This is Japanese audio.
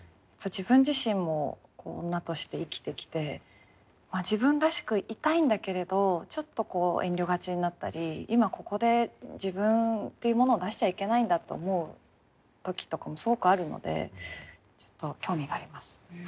自分自身も女として生きてきて自分らしくいたいんだけれどちょっと遠慮がちになったり今ここで自分っていうものを出しちゃいけないんだと思う時とかもすごくあるのでちょっと興味があります。